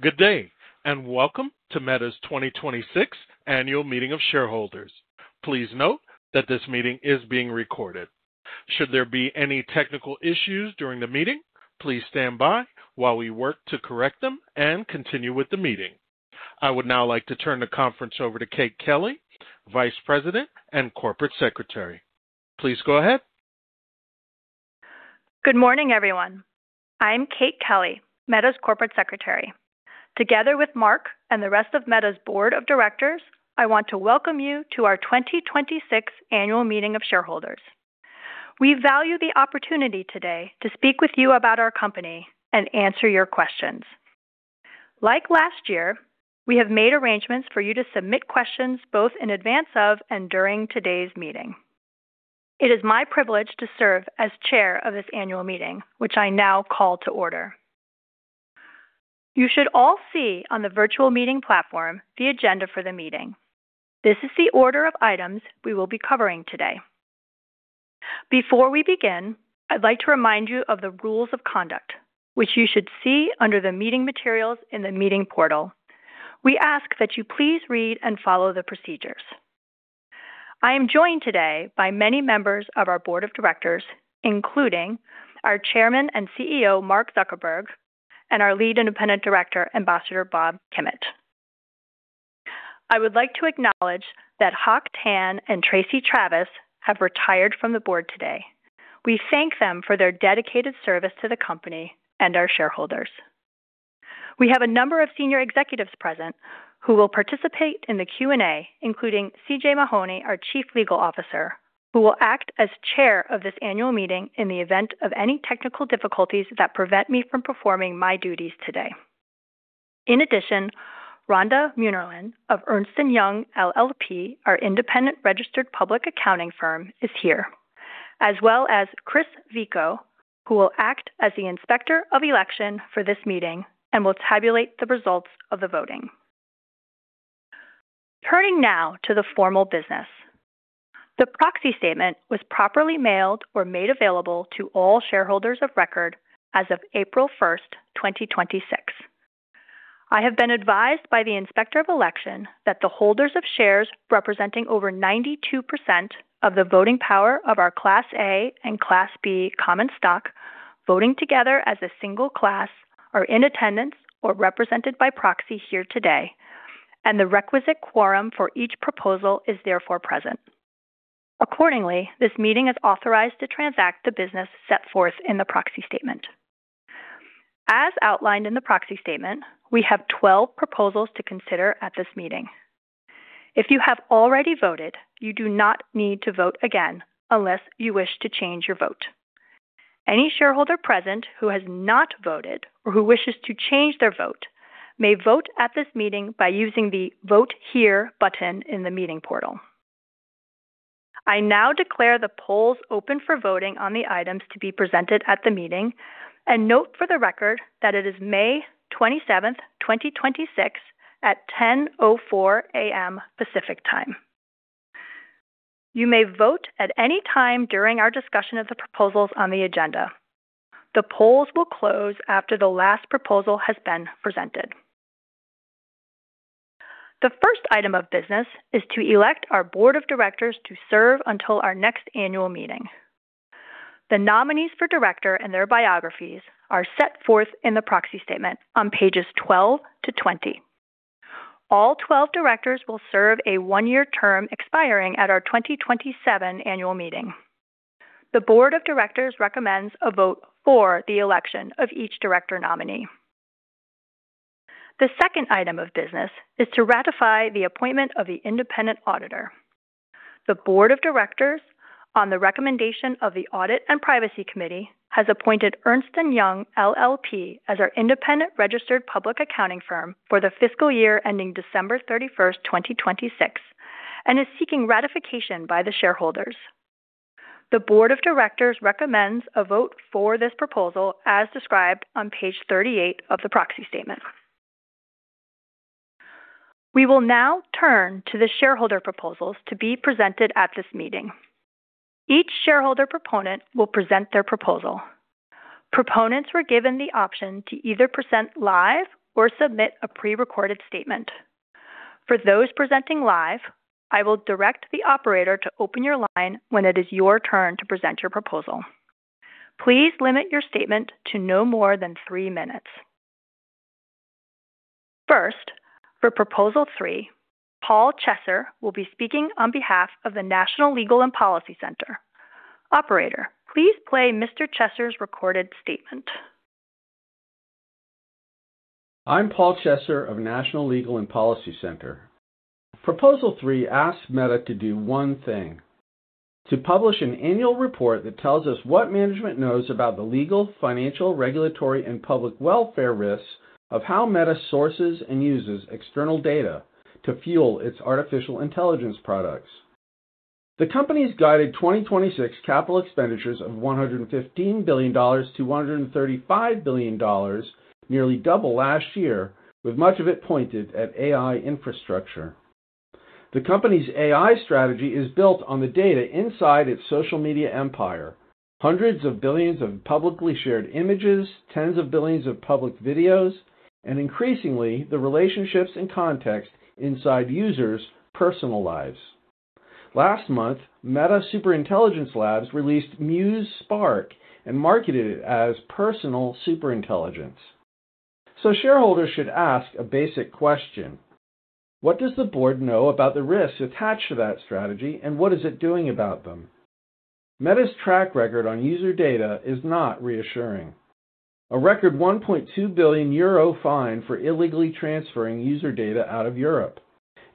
Good day, and welcome to Meta's 2026 Annual Meeting of Shareholders. Please note that this meeting is being recorded. Should there be any technical issues during the meeting, please stand by while we work to correct them and continue with the meeting. I would now like to turn the conference over to Kate Kelly, Vice President and Corporate Secretary. Please go ahead. Good morning, everyone. I'm Kate Kelly, Meta's Corporate Secretary. Together with Mark and the rest of Meta's Board of Directors, I want to welcome you to our 2026 Annual Meeting of Shareholders. We value the opportunity today to speak with you about our company and answer your questions. Like last year, we have made arrangements for you to submit questions both in advance of and during today's meeting. It is my privilege to serve as Chair of this annual meeting, which I now call to order. You should all see on the virtual meeting platform the agenda for the meeting. This is the order of items we will be covering today. Before we begin, I'd like to remind you of the rules of conduct, which you should see under the meeting materials in the meeting portal. We ask that you please read and follow the procedures. I am joined today by many members of our Board of Directors, including our Chairman and CEO, Mark Zuckerberg, and our Lead Independent Director, Ambassador Bob Kimmitt. I would like to acknowledge that Hock Tan and Tracey Travis have retired from the Board today. We thank them for their dedicated service to the company and our shareholders. We have a number of senior executives present who will participate in the Q&A, including C.J. Mahoney, our Chief Legal Officer, who will act as Chair of this annual meeting in the event of any technical difficulties that prevent me from performing my duties today. In addition, Rhonda Munnerlyn of Ernst & Young LLP, our independent registered public accounting firm, is here, as well as Chris Vico, who will act as the Inspector of Election for this meeting and will tabulate the results of the voting. Turning now to the formal business. The proxy statement was properly mailed or made available to all shareholders of record as of April 1st, 2026. I have been advised by the Inspector of Election that the holders of shares representing over 92% of the voting power of our Class A and Class B common stock, voting together as a single class, are in attendance or represented by proxy here today, and the requisite quorum for each proposal is therefore present. Accordingly, this meeting is authorized to transact the business set forth in the proxy statement. As outlined in the proxy statement, we have 12 proposals to consider at this meeting. If you have already voted, you do not need to vote again unless you wish to change your vote. Any shareholder present who has not voted or who wishes to change their vote may vote at this meeting by using the Vote Here button in the meeting portal. I now declare the polls open for voting on the items to be presented at the meeting, and note for the record that it is May 27th, 2026, at 10:04 A.M. Pacific Time. You may vote at any time during our discussion of the proposals on the agenda. The polls will close after the last proposal has been presented. The first item of business is to elect our Board of Directors to serve until our next annual meeting. The nominees for director and their biographies are set forth in the proxy statement on pages 12-20. All 12 directors will serve a one-year term expiring at our 2027 annual meeting. The Board of Directors recommends a vote for the election of each director nominee. The second item of business is to ratify the appointment of the independent auditor. The Board of Directors, on the recommendation of the Audit & Risk Oversight Committee, has appointed Ernst & Young LLP as our independent registered public accounting firm for the fiscal year ending December 31st, 2026, and is seeking ratification by the shareholders. The Board of Directors recommends a vote for this proposal as described on page 38 of the proxy statement. We will now turn to the shareholder proposals to be presented at this meeting. Each shareholder proponent will present their proposal. Proponents were given the option to either present live or submit a pre-recorded statement. For those presenting live, I will direct the operator to open your line when it is your turn to present your proposal. Please limit your statement to no more than three minutes. First, for Proposal 3, Paul Chesser will be speaking on behalf of the National Legal and Policy Center. Operator, please play Mr. Chesser's recorded statement. I'm Paul Chesser of National Legal and Policy Center. Proposal 3 asks Meta to do one thing: to publish an annual report that tells us what management knows about the legal, financial, regulatory, and public welfare risks of how Meta sources and uses external data to fuel its artificial intelligence products. The company's guided 2026 capital expenditures of $115 billion-$135 billion, nearly double last year, with much of it pointed at AI infrastructure. The company's AI strategy is built on the data inside its social media empire. Hundreds of billions of publicly shared images, tens of billions of public videos, and increasingly, the relationships and context inside users' personal lives. Last month, Meta Superintelligence Labs released Muse Spark and marketed it as personal superintelligence. Shareholders should ask a basic question: What does the Board know about the risks attached to that strategy, and what is it doing about them? Meta's track record on user data is not reassuring. A record 1.2 billion euro fine for illegally transferring user data out of Europe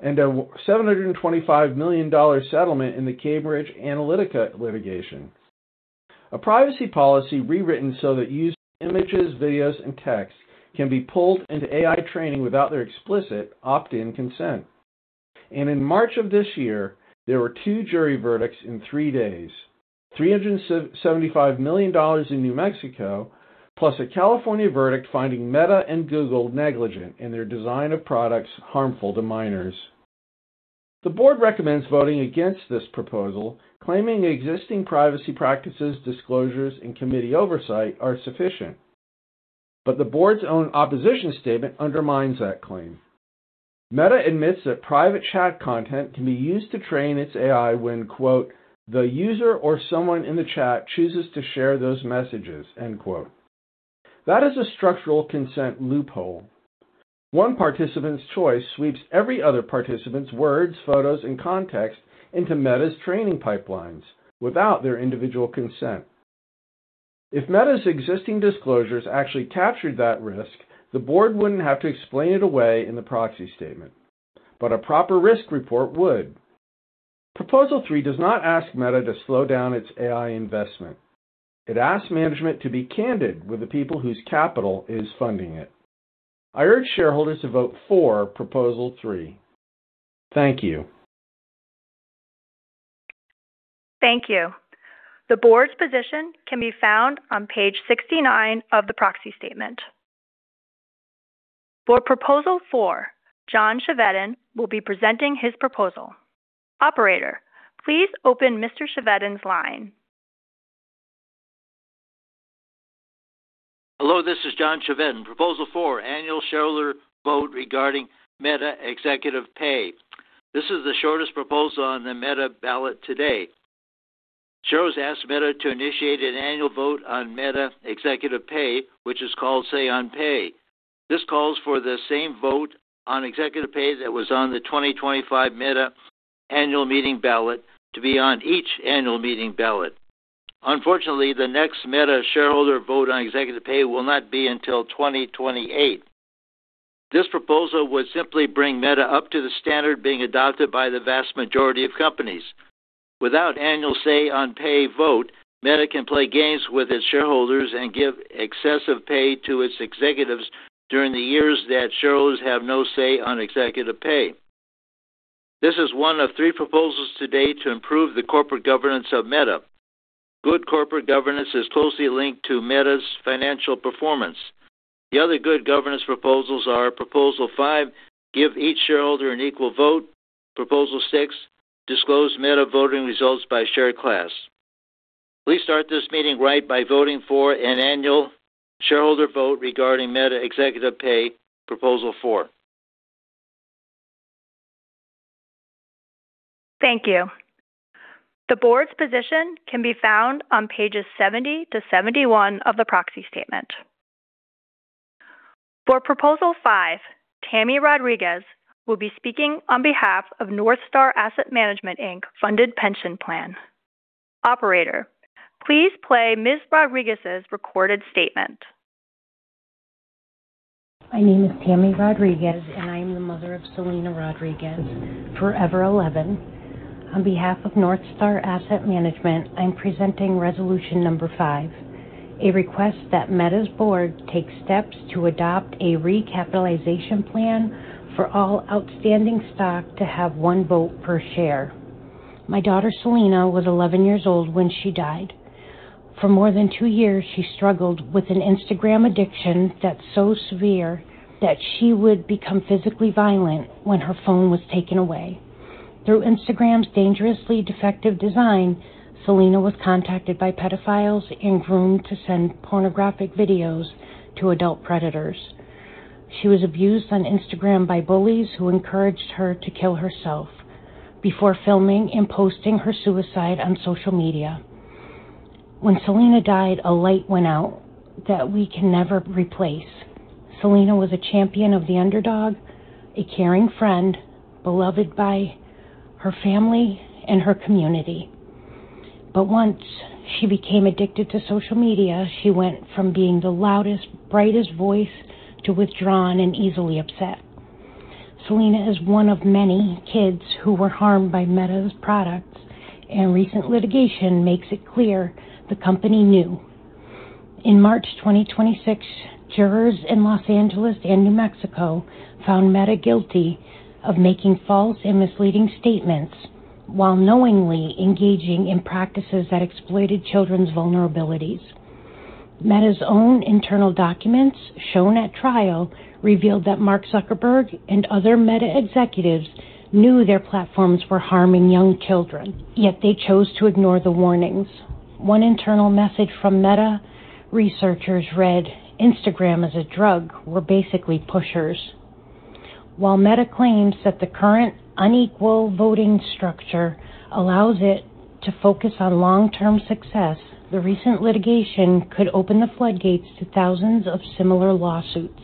and a $725 million settlement in the Cambridge Analytica litigation. A privacy policy rewritten so that users' images, videos, and text can be pulled into AI training without their explicit opt-in consent. In March of this year, there were two jury verdicts in three days, $375 million in New Mexico, plus a California verdict finding Meta and Google negligent in their design of products harmful to minors. The Board recommends voting against this proposal, claiming existing privacy practices, disclosures, and committee oversight are sufficient. The Board's own opposition statement undermines that claim. Meta admits that private chat content can be used to train its AI when, quote, "The user or someone in the chat chooses to share those messages." End quote. That is a structural consent loophole. One participant's choice sweeps every other participant's words, photos, and context into Meta's training pipelines without their individual consent. If Meta's existing disclosures actually captured that risk, the Board wouldn't have to explain it away in the proxy statement, but a proper risk report would. Proposal 3 does not ask Meta to slow down its AI investment. It asks management to be candid with the people whose capital is funding it. I urge shareholders to vote for Proposal 3. Thank you. Thank you. The Board's position can be found on page 69 of the proxy statement. For Proposal 4, John Chevedden will be presenting his proposal. Operator, please open Mr. Chevedden's line. Hello, this is John Chevedden. Proposal 4, annual shareholder vote regarding Meta executive pay. This is the shortest proposal on the Meta ballot today. Shareholders ask Meta to initiate an annual vote on Meta executive pay, which is called Say on Pay. This calls for the same vote on executive pay that was on the 2025 Meta annual meeting ballot to be on each annual meeting ballot. Unfortunately, the next Meta shareholder vote on executive pay will not be until 2028. This proposal would simply bring Meta up to the standard being adopted by the vast majority of companies. Without annual Say on Pay vote, Meta can play games with its shareholders and give excessive pay to its executives during the years that shareholders have no say on executive pay. This is one of three proposals today to improve the corporate governance of Meta. Good corporate governance is closely linked to Meta's financial performance. The other good governance proposals are Proposal 5, give each shareholder an equal vote, Proposal 6, disclose Meta voting results by share class. Please start this meeting right by voting for an annual shareholder vote regarding Meta executive pay, Proposal 4. Thank you. The Board's position can be found on pages 70-71 of the proxy statement. For Proposal 5, Tammy Rodriguez will be speaking on behalf of NorthStar Asset Management, Inc. Funded Pension Plan. Operator, please play Ms. Rodriguez's recorded statement. My name is Tammy Rodriguez, and I am the mother of Selena Rodriguez, forever 11. On behalf of NorthStar Asset Management, I'm presenting resolution number five, a request that Meta's Board take steps to adopt a recapitalization plan for all outstanding stock to have one vote per share. My daughter, Selena, was 11 years old when she died. For more than two years, she struggled with an Instagram addiction that's so severe that she would become physically violent when her phone was taken away. Through Instagram's dangerously defective design, Selena was contacted by pedophiles and groomed to send pornographic videos to adult predators. She was abused on Instagram by bullies who encouraged her to kill herself before filming and posting her suicide on social media. When Selena died, a light went out that we can never replace. Selena was a champion of the underdog, a caring friend, beloved by her family and her community. Once she became addicted to social media, she went from being the loudest, brightest voice to withdrawn and easily upset. Selena is one of many kids who were harmed by Meta's products, and recent litigation makes it clear the company knew. In March 2026, jurors in Los Angeles and New Mexico found Meta guilty of making false and misleading statements while knowingly engaging in practices that exploited children's vulnerabilities. Meta's own internal documents shown at trial revealed that Mark Zuckerberg and other Meta executives knew their platforms were harming young children, yet they chose to ignore the warnings. One internal message from Meta researchers read, "Instagram is a drug. We're basically pushers." While Meta claims that the current unequal voting structure allows it to focus on long-term success, the recent litigation could open the floodgates to thousands of similar lawsuits.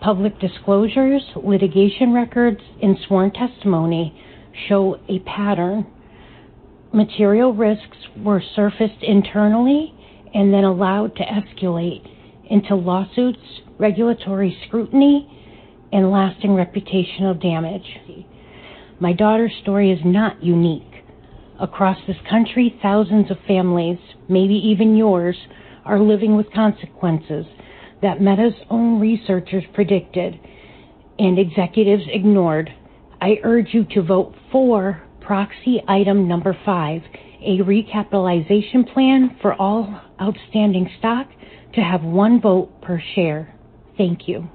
Public disclosures, litigation records, and sworn testimony show a pattern. Material risks were surfaced internally and then allowed to escalate into lawsuits, regulatory scrutiny, and lasting reputational damage. My daughter's story is not unique. Across this country, thousands of families, maybe even yours, are living with consequences that Meta's own researchers predicted and executives ignored. I urge you to vote for proxy item number five, a recapitalization plan for all outstanding stock to have one vote per share. Thank you.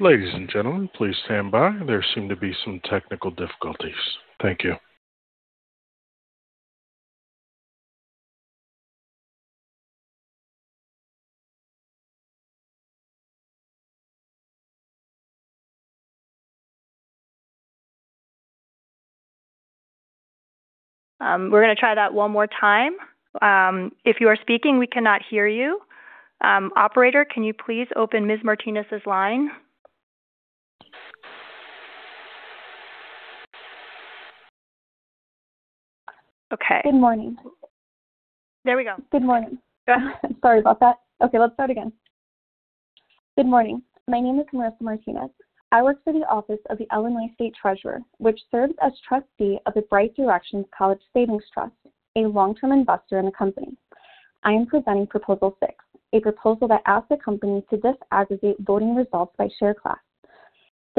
Ladies and gentlemen, please stand by. There seem to be some technical difficulties. Thank you. We're going to try that one more time. If you are speaking, we cannot hear you. Operator, can you please open Ms. Martinez's line? Okay. Good morning. There we go. Good morning. Go ahead. Sorry about that. Okay, let's start again. Good morning. My name is Marissa Martinez. I work for the Office of the Illinois State Treasurer, which serves as trustee of the Bright Directions College Savings Program, a long-term investor in the company. I am presenting Proposal 6, a proposal that asks the company to disaggregate voting results by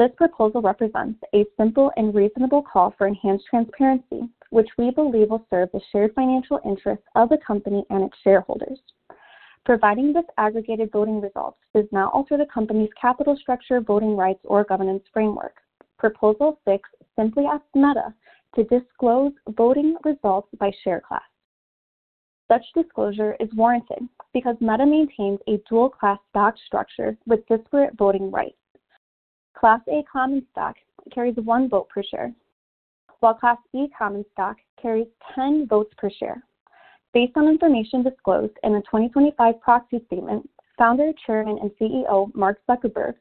share class. This proposal represents a simple and reasonable call for enhanced transparency, which we believe will serve the shared financial interests of the company and its shareholders. Providing disaggregated voting results does not alter the company's capital structure, voting rights, or governance framework. Proposal 6 simply asks Meta to disclose voting results by share class. Such disclosure is warranted because Meta maintains a dual class stock structure with disparate voting rights. Class A common stock carries one vote per share, while Class B common stock carries 10 votes per share. Based on information disclosed in the 2025 proxy statement, Founder, Chairman, and CEO, Mark Zuckerberg,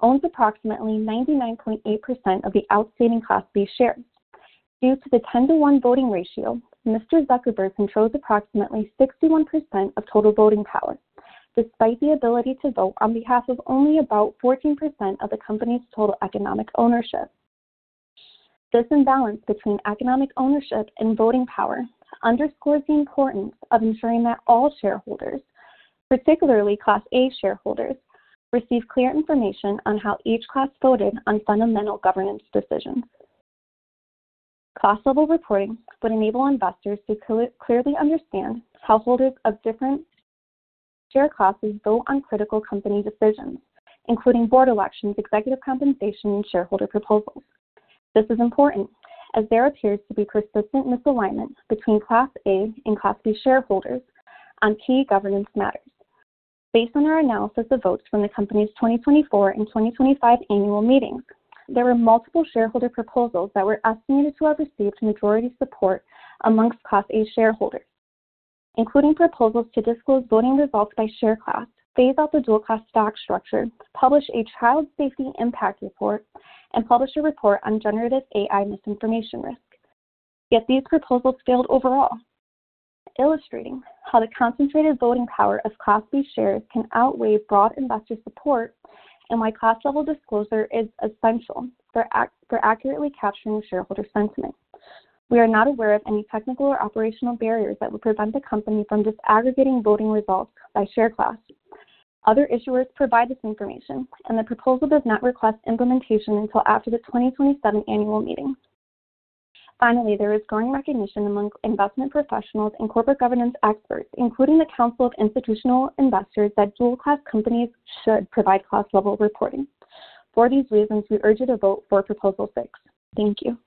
owns approximately 99.8% of the outstanding Class B shares. Due to the 10:1 voting ratio, Mr. Zuckerberg controls approximately 61% of total voting power, despite the ability to vote on behalf of only about 14% of the company's total economic ownership. This imbalance between economic ownership and voting power underscores the importance of ensuring that all shareholders, particularly Class A shareholders, receive clear information on how each class voted on fundamental governance decisions. Class-level reporting would enable investors to clearly understand how holders of different share classes vote on critical company decisions, including Board elections, executive compensation, and shareholder proposals. This is important as there appears to be persistent misalignment between Class A and Class B shareholders on key governance matters. Based on our analysis of votes from the company's 2024 and 2025 annual meetings, there were multiple shareholder proposals that were estimated to have received majority support amongst Class A shareholders, including proposals to disclose voting results by share class, phase out the dual Class stock structure, publish a child safety impact report, and publish a report on generative AI misinformation risk. Yet these proposals failed overall, illustrating how the concentrated voting power of Class B shares can outweigh broad investor support, and why class level disclosure is essential for accurately capturing shareholder sentiment. We are not aware of any technical or operational barriers that would prevent the company from disaggregating voting results by share class. Other issuers provide this information, and the proposal does not request implementation until after the 2027 annual meeting. There is growing recognition amongst investment professionals and corporate governance experts, including the Council of Institutional Investors, that dual class companies should provide class-level reporting. For these reasons, we urge you to vote for Proposal 6. Thank you.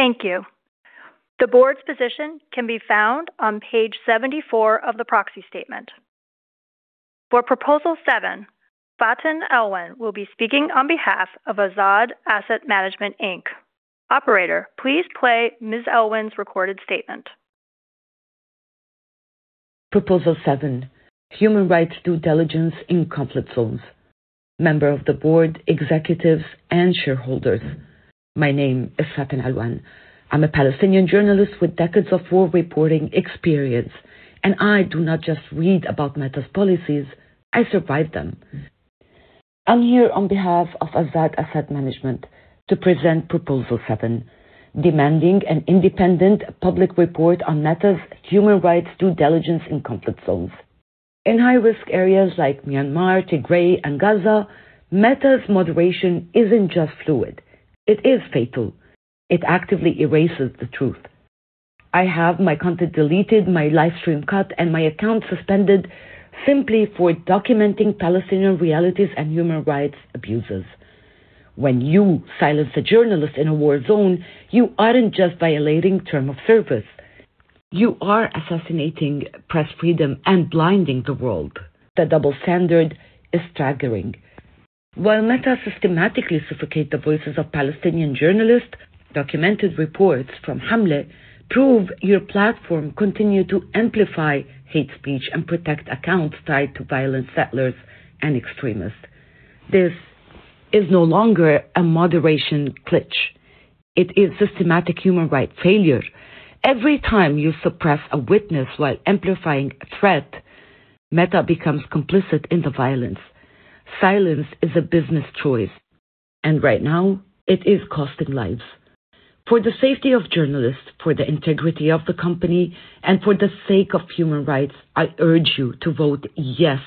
Thank you. The Board's position can be found on page 74 of the proxy statement. For Proposal 7, Faten Alwan will be speaking on behalf of Azzad Asset Management, Inc. Operator, please play Ms. Alwan's recorded statement Proposal 7, human rights due diligence in conflict zones. Member of the Board, executives, and shareholders, my name is Faten Alwan. I'm a Palestinian journalist with decades of war reporting experience, and I do not just read about Meta's policies, I survive them. I'm here on behalf of Azzad Asset Management to present proposal seven, demanding an independent public report on Meta's human rights due diligence in conflict zones. In high-risk areas like Myanmar, Tigray, and Gaza, Meta's moderation isn't just fluid, it is fatal. It actively erases the truth. I have my content deleted, my live stream cut, and my account suspended simply for documenting Palestinian realities and human rights abuses. When you silence a journalist in a war zone, you aren't just violating terms of service, you are assassinating press freedom and blinding the world. The double standard is staggering. While Meta systematically suffocates the voices of Palestinian journalists, documented reports from 7amleh prove your platform continue to amplify hate speech and protect accounts tied to violent settlers and extremists. This is no longer a moderation glitch. It is systematic human rights failure. Every time you suppress a witness while amplifying a threat, Meta becomes complicit in the violence. Silence is a business choice, and right now it is costing lives. For the safety of journalists, for the integrity of the company, and for the sake of human rights, I urge you to vote yes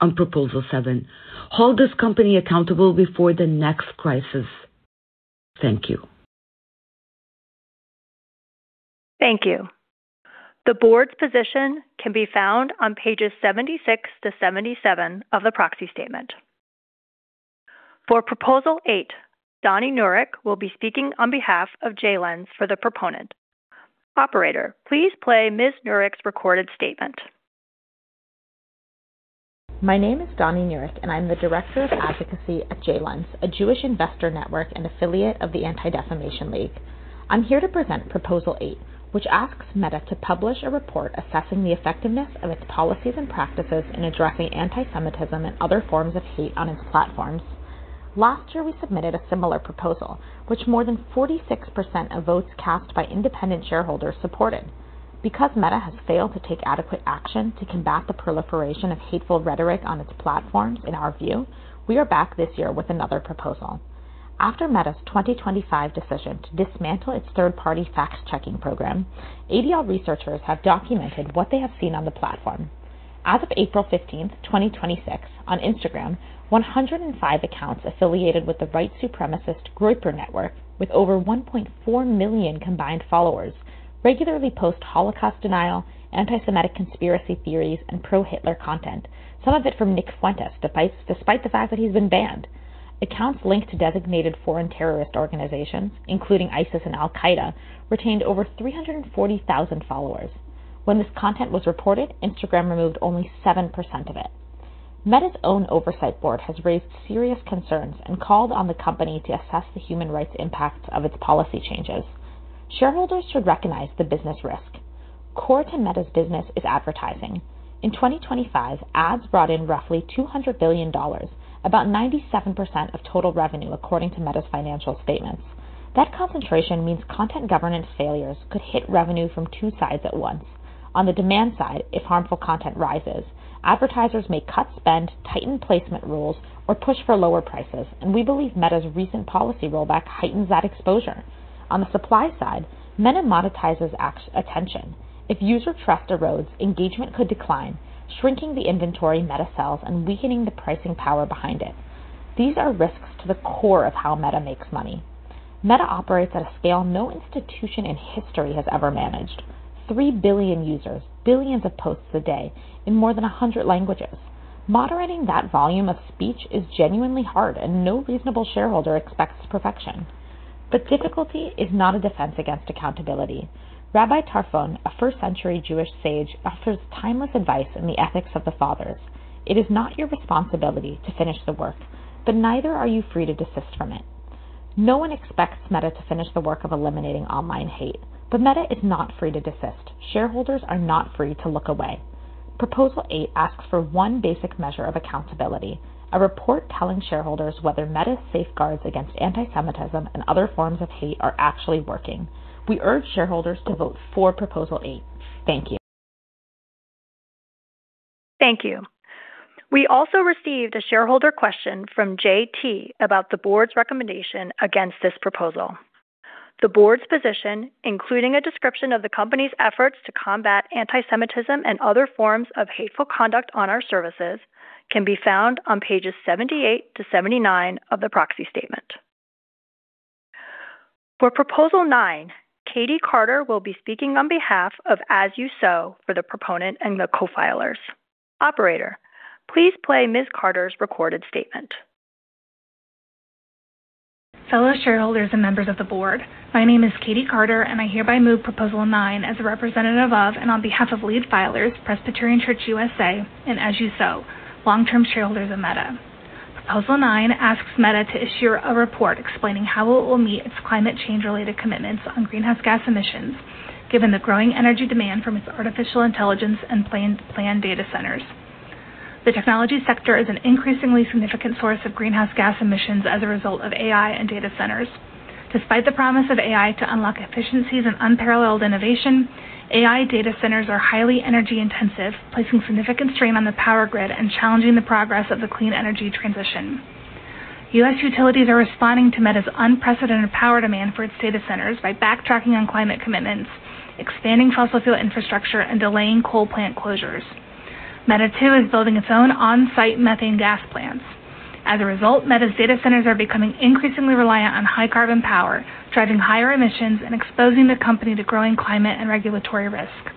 on Proposal 7. Hold this company accountable before the next crisis. Thank you. Thank you. The Board's position can be found on pages 76-77 of the proxy statement. For Proposal 8, Dani Nurik will be speaking on behalf of JLens for the proponent. Operator, please play Ms. Nurik's recorded statement. My name is Dani Nurik. I'm the Director of Advocacy at JLens, a Jewish investor network and affiliate of the Anti-Defamation League. I'm here to present Proposal 8, which asks Meta to publish a report assessing the effectiveness of its policies and practices in addressing antisemitism and other forms of hate on its platforms. Last year, we submitted a similar proposal, which more than 46% of votes cast by independent shareholders supported. Meta has failed to take adequate action to combat the proliferation of hateful rhetoric on its platforms, in our view, we are back this year with another proposal. After Meta's 2025 decision to dismantle its third-party fact-checking program, ADL researchers have documented what they have seen on the platform. As of April 15th, 2026, on Instagram, 105 accounts affiliated with the white supremacist Groyper network, with over 1.4 million combined followers, regularly post Holocaust denial, antisemitic conspiracy theories, and pro-Hitler content, some of it from Nick Fuentes, despite the fact that he's been banned. Accounts linked to designated foreign terrorist organizations, including ISIS and Al Qaeda, retained over 340,000 followers. When this content was reported, Instagram removed only 7% of it. Meta's own oversight Board has raised serious concerns and called on the company to assess the human rights impacts of its policy changes. Shareholders should recognize the business risk. Core to Meta's business is advertising. In 2025, ads brought in roughly $200 billion, about 97% of total revenue, according to Meta's financial statements. That concentration means content governance failures could hit revenue from two sides at once. On the demand side, if harmful content rises, advertisers may cut spend, tighten placement rules, or push for lower prices, and we believe Meta's recent policy rollback heightens that exposure. On the supply side, Meta monetizes attention. If user trust erodes, engagement could decline, shrinking the inventory Meta sells and weakening the pricing power behind it. These are risks to the core of how Meta makes money. Meta operates at a scale no institution in history has ever managed. Three billion users, billions of posts a day in more than 100 languages. Moderating that volume of speech is genuinely hard, and no reasonable shareholder expects perfection. Difficulty is not a defense against accountability. Rabbi Tarfon, a first-century Jewish sage, offers timeless advice in the ethics of the fathers. It is not your responsibility to finish the work, but neither are you free to desist from it. No one expects Meta to finish the work of eliminating online hate. Meta is not free to desist. Shareholders are not free to look away. Proposal 8 asks for one basic measure of accountability, a report telling shareholders whether Meta's safeguards against antisemitism and other forms of hate are actually working. We urge shareholders to vote for Proposal 8. Thank you. Thank you. We also received a shareholder question from JT about the Board's recommendation against this proposal. The Board's position, including a description of the company's efforts to combat antisemitism and other forms of hateful conduct on our services, can be found on pages 78-79 of the proxy statement. For Proposal 9, Katie Carter will be speaking on behalf of As You Sow for the proponent and the co-filers. Operator, please play Ms. Carter's recorded statement. Fellow shareholders and members of the Board, my name is Katie Carter, and I hereby move proposal nine as a representative of and on behalf of lead filers, Presbyterian Church (U.S.A.) and As You Sow, long-term shareholders of Meta. Proposal 9 asks Meta to issue a report explaining how it will meet its climate change-related commitments on greenhouse gas emissions, given the growing energy demand from its artificial intelligence and planned data centers. The technology sector is an increasingly significant source of greenhouse gas emissions as a result of AI and data centers. Despite the promise of AI to unlock efficiencies and unparalleled innovation, AI data centers are highly energy intensive, placing significant strain on the power grid and challenging the progress of the clean energy transition. U.S. utilities are responding to Meta's unprecedented power demand for its data centers by backtracking on climate commitments, expanding fossil fuel infrastructure, and delaying coal plant closures. Meta, too, is building its own on-site methane gas plants. As a result, Meta's data centers are becoming increasingly reliant on high carbon power, driving higher emissions and exposing the company to growing climate and regulatory risk.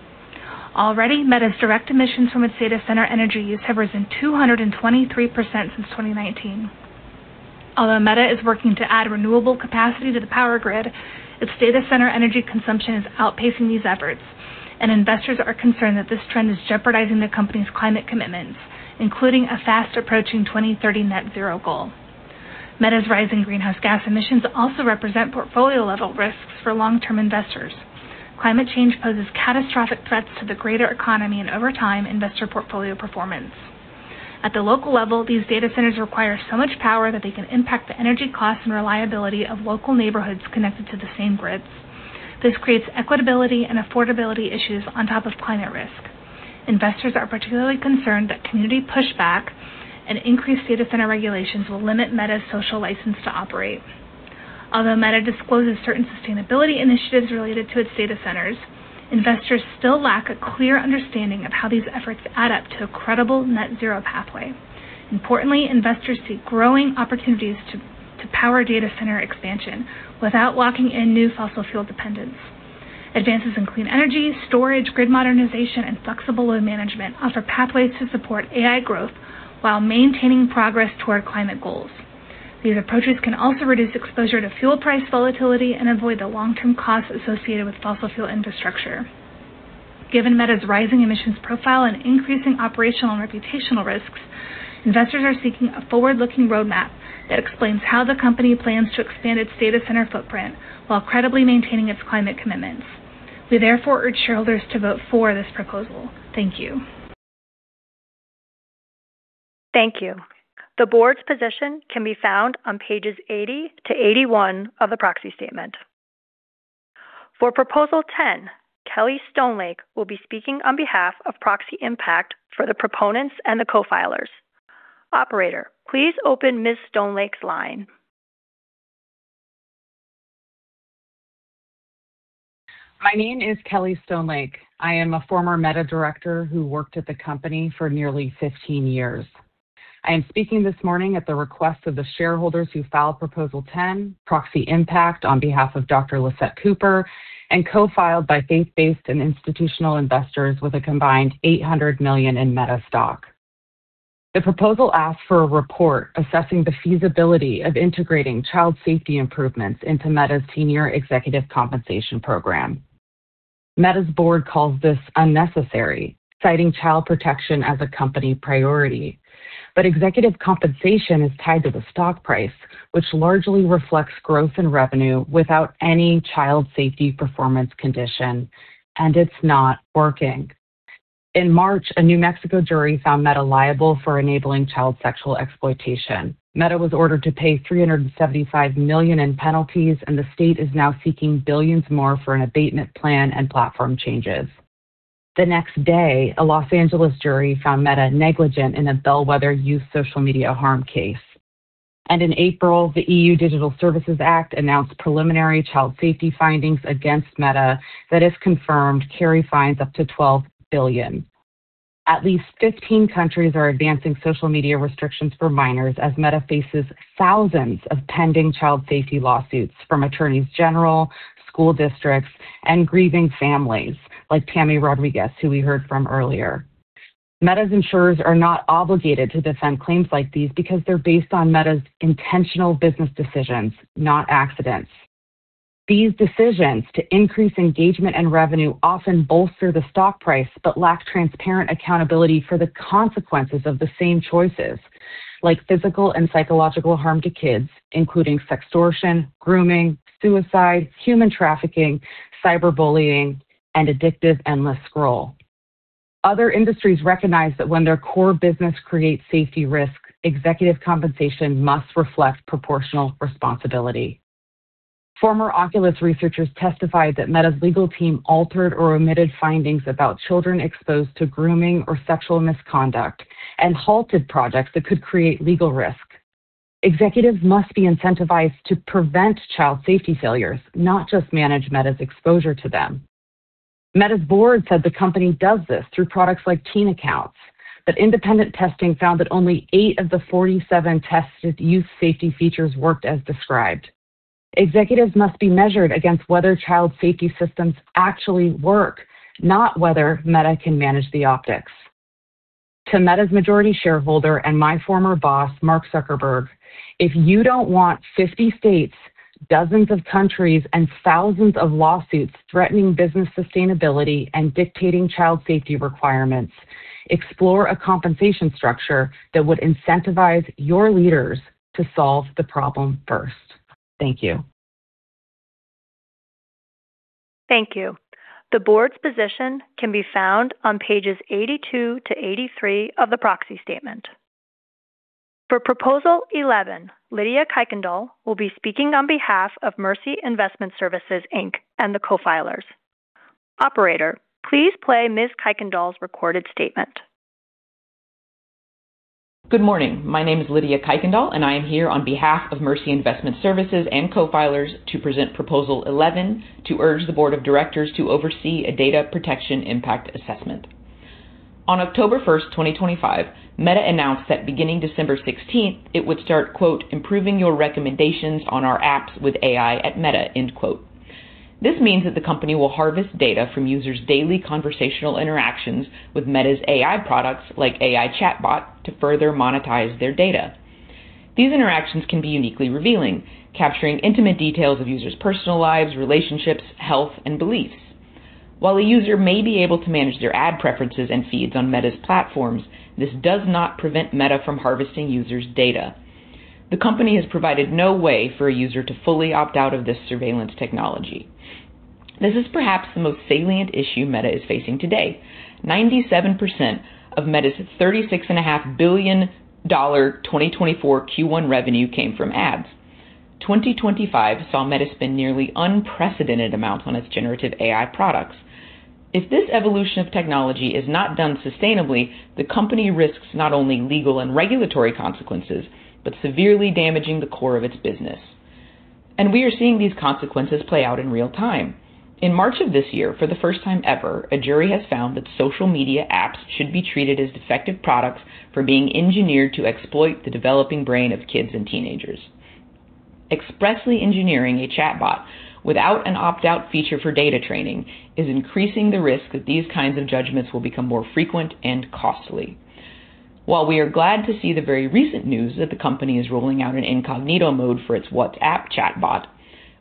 Already, Meta's direct emissions from its data center energy use have risen 223% since 2019. Although Meta is working to add renewable capacity to the power grid, its data center energy consumption is outpacing these efforts, and investors are concerned that this trend is jeopardizing the company's climate commitments, including a fast-approaching 2030 net zero goal. Meta's rising greenhouse gas emissions also represent portfolio-level risks for long-term investors. Climate change poses catastrophic threats to the greater economy and, over time, investor portfolio performance. At the local level, these data centers require so much power that they can impact the energy cost and reliability of local neighborhoods connected to the same grids. This creates equitability and affordability issues on top of climate risk. Investors are particularly concerned that community pushback and increased data center regulations will limit Meta's social license to operate. Although Meta discloses certain sustainability initiatives related to its data centers, investors still lack a clear understanding of how these efforts add up to a credible net zero pathway. Importantly, investors seek growing opportunities to power data center expansion without locking in new fossil fuel dependence. Advances in clean energy, storage, grid modernization, and flexible load management offer pathways to support AI growth while maintaining progress toward climate goals. These approaches can also reduce exposure to fuel price volatility and avoid the long-term costs associated with fossil fuel infrastructure. Given Meta's rising emissions profile and increasing operational and reputational risks, investors are seeking a forward-looking roadmap that explains how the company plans to expand its data center footprint while credibly maintaining its climate commitments. We therefore urge shareholders to vote for this proposal. Thank you. Thank you. The Board's position can be found on pages 80-81 of the proxy statement. For Proposal 10, Kelly Stonelake will be speaking on behalf of Proxy Impact for the proponents and the co-filers. Operator, please open Ms. Stonelake's line. My name is Kelly Stonelake. I am a former Meta director who worked at the company for nearly 15 years. I am speaking this morning at the request of the shareholders who filed Proposal 10, Proxy Impact, on behalf of Dr. Lisette Cooper, and co-filed by faith-based and institutional investors with a combined $800 million in Meta stock. The proposal asks for a report assessing the feasibility of integrating child safety improvements into Meta's senior executive compensation program. Meta's Board calls this unnecessary, citing child protection as a company priority. Executive compensation is tied to the stock price, which largely reflects growth in revenue without any child safety performance condition, and it's not working. In March, a New Mexico jury found Meta liable for enabling child sexual exploitation. Meta was ordered to pay $375 million in penalties. The state is now seeking billions more for an abatement plan and platform changes. The next day, a Los Angeles jury found Meta negligent in a bellwether youth social media harm case. In April, the EU Digital Services Act announced preliminary child safety findings against Meta that, if confirmed, carry fines up to $12 billion. At least 15 countries are advancing social media restrictions for minors as Meta faces thousands of pending child safety lawsuits from attorneys general, school districts, and grieving families like Tammy Rodriguez, who we heard from earlier. Meta's insurers are not obligated to defend claims like these because they're based on Meta's intentional business decisions, not accidents. These decisions to increase engagement and revenue often bolster the stock price but lack transparent accountability for the consequences of the same choices, like physical and psychological harm to kids, including sextortion, grooming, suicide, human trafficking, cyberbullying, and addictive endless scroll. Other industries recognize that when their core business creates safety risks, executive compensation must reflect proportional responsibility. Former Oculus researchers testified that Meta's legal team altered or omitted findings about children exposed to grooming or sexual misconduct and halted projects that could create legal risk. Executives must be incentivized to prevent child safety failures, not just manage Meta's exposure to them. Meta's Board said the company does this through products like Teen Accounts, but independent testing found that only eight of the 47 tested youth safety features worked as described. Executives must be measured against whether child safety systems actually work, not whether Meta can manage the optics. To Meta's majority shareholder and my former boss, Mark Zuckerberg, if you don't want 50 states. Dozens of countries and thousands of lawsuits threatening business sustainability and dictating child safety requirements. Explore a compensation structure that would incentivize your leaders to solve the problem first. Thank you. Thank you. The Board's position can be found on pages 82-83 of the proxy statement. For Proposal 11, Lydia Kuykendal will be speaking on behalf of Mercy Investment Services, Inc., and the co-filers. Operator, please play Ms. Kuykendal's recorded statement. Good morning. My name is Lydia Kuykendal, and I am here on behalf of Mercy Investment Services and co-filers to present Proposal 11 to urge the Board of Directors to oversee a data protection impact assessment. On October 1st, 2025, Meta announced that beginning December 16th, it would start, quote, "improving your recommendations on our apps with AI at Meta." end quote. This means that the company will harvest data from users' daily conversational interactions with Meta's AI products, like AI chatbot, to further monetize their data. These interactions can be uniquely revealing, capturing intimate details of users' personal lives, relationships, health, and beliefs. While a user may be able to manage their ad preferences and feeds on Meta's platforms, this does not prevent Meta from harvesting users' data. The company has provided no way for a user to fully opt out of this surveillance technology. This is perhaps the most salient issue Meta is facing today. 97% of Meta's $36.5 billion 2024 Q1 revenue came from ads. 2025 saw Meta spend nearly unprecedented amounts on its generative AI products. If this evolution of technology is not done sustainably, the company risks not only legal and regulatory consequences, but severely damaging the core of its business. We are seeing these consequences play out in real time. In March of this year, for the first time ever, a jury has found that social media apps should be treated as defective products for being engineered to exploit the developing brain of kids and teenagers. Expressly engineering a chatbot without an opt-out feature for data training is increasing the risk that these kinds of judgments will become more frequent and costly While we are glad to see the very recent news that the company is rolling out an incognito mode for its WhatsApp chatbot,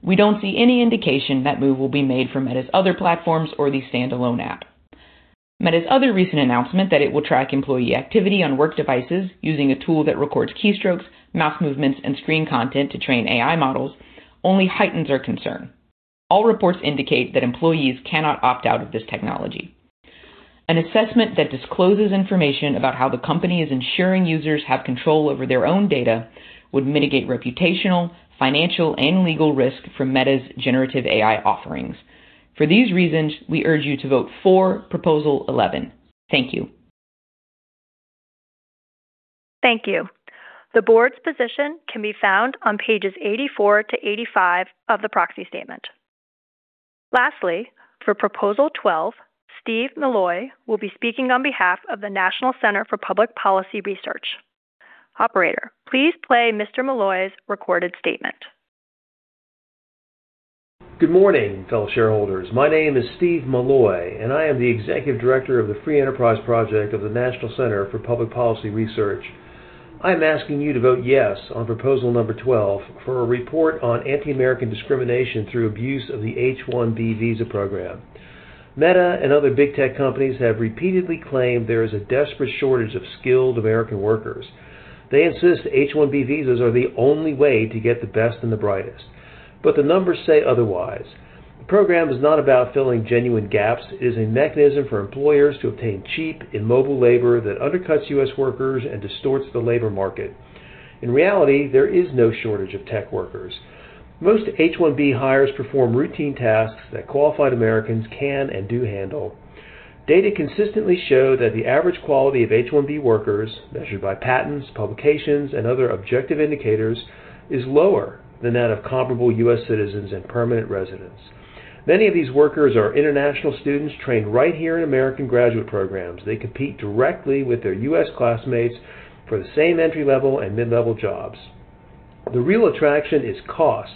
we don't see any indication that move will be made for Meta's other platforms or the standalone app. Meta's other recent announcement that it will track employee activity on work devices using a tool that records keystrokes, mouse movements, and screen content to train AI models only heightens our concern. All reports indicate that employees cannot opt out of this technology. An assessment that discloses information about how the company is ensuring users have control over their own data would mitigate reputational, financial, and legal risk from Meta's generative AI offerings. For these reasons, we urge you to vote for Proposal 11. Thank you. Thank you. The Board's position can be found on pages 84-85 of the proxy statement. Lastly, for Proposal 12, Steve Milloy will be speaking on behalf of the National Center for Public Policy Research. Operator, please play Mr. Milloy's recorded statement. Good morning, fellow shareholders. My name is Steve Milloy, and I am the Executive Director of the Free Enterprise Project of the National Center for Public Policy Research. I'm asking you to vote yes on Proposal number 12 for a report on anti-American discrimination through abuse of the H-1B visa program. Meta and other big tech companies have repeatedly claimed there is a desperate shortage of skilled American workers. They insist H-1B visas are the only way to get the best and the brightest. The numbers say otherwise. The program is not about filling genuine gaps. It is a mechanism for employers to obtain cheap, immobile labor that undercuts U.S. workers and distorts the labor market. In reality, there is no shortage of tech workers. Most H-1B hires perform routine tasks that qualified Americans can and do handle. Data consistently show that the average quality of H-1B workers, measured by patents, publications, and other objective indicators, is lower than that of comparable U.S. citizens and permanent residents. Many of these workers are international students trained right here in American graduate programs. They compete directly with their U.S. classmates for the same entry level and mid-level jobs. The real attraction is cost.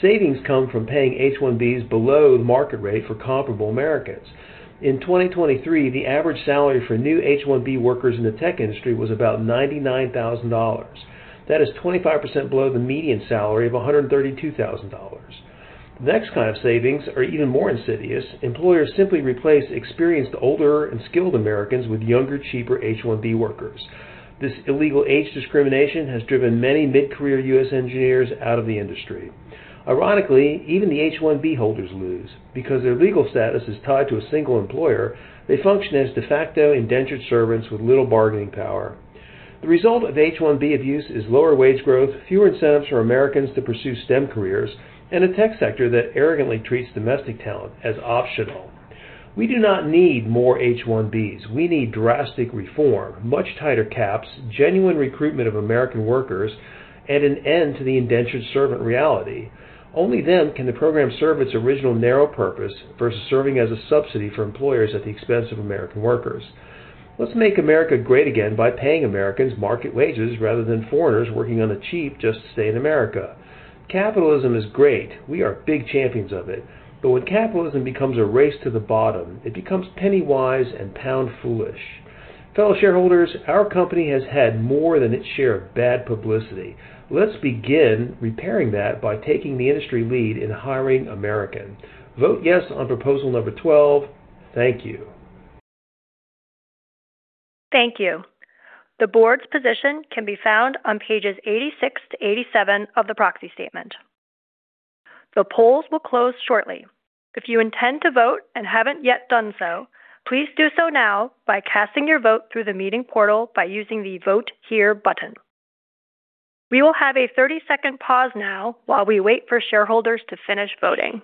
Savings come from paying H-1Bs below the market rate for comparable Americans. In 2023, the average salary for new H-1B workers in the tech industry was about $99,000. That is 25% below the median salary of $132,000. The next kind of savings are even more insidious. Employers simply replace experienced older and skilled Americans with younger, cheaper H-1B workers. This illegal age discrimination has driven many mid-career U.S. engineers out of the industry. Ironically, even the H-1B holders lose. Because their legal status is tied to a single employer, they function as de facto indentured servants with little bargaining power. The result of H-1B abuse is lower wage growth, fewer incentives for Americans to pursue STEM careers, and a tech sector that arrogantly treats domestic talent as optional. We do not need more H-1Bs. We need drastic reform, much tighter caps, genuine recruitment of American workers, and an end to the indentured servant reality. Only then can the program serve its original narrow purpose versus serving as a subsidy for employers at the expense of American workers. Let's make America great again by paying Americans market wages rather than foreigners working on the cheap just to stay in America. Capitalism is great. We are big champions of it. When capitalism becomes a race to the bottom, it becomes penny wise and pound foolish. Fellow shareholders, our company has had more than its share of bad publicity. Let's begin repairing that by taking the industry lead in hiring American. Vote yes on Proposal number 12. Thank you. Thank you. The Board's position can be found on pages 86-87 of the proxy statement. The polls will close shortly. If you intend to vote and haven't yet done so, please do so now by casting your vote through the meeting portal by using the Vote Here button. We will have a 30-second pause now while we wait for shareholders to finish voting.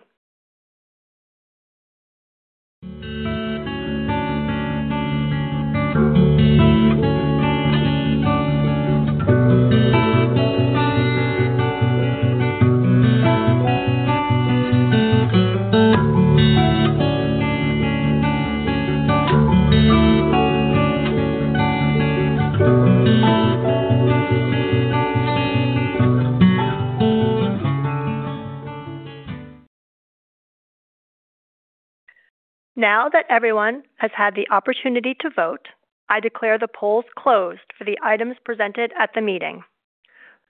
Now that everyone has had the opportunity to vote, I declare the polls closed for the items presented at the meeting.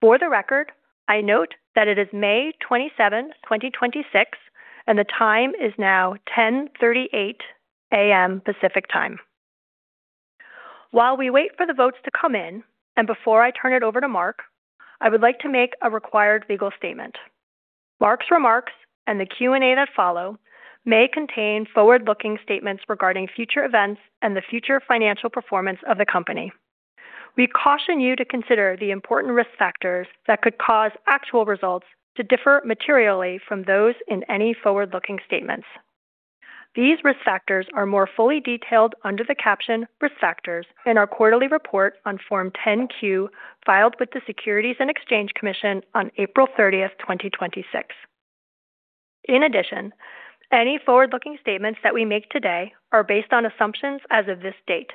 For the record, I note that it is May 27, 2026, and the time is now 10:38 A.M. Pacific Time. While we wait for the votes to come in, and before I turn it over to Mark, I would like to make a required legal statement. Mark's remarks and the Q&A that follow may contain forward-looking statements regarding future events and the future financial performance of the company. We caution you to consider the important risk factors that could cause actual results to differ materially from those in any forward-looking statements. These risk factors are more fully detailed under the caption Risk Factors in our quarterly report on Form 10-Q, filed with the Securities and Exchange Commission on April 30th, 2026. In addition, any forward-looking statements that we make today are based on assumptions as of this date.